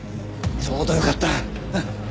ちょうどよかった。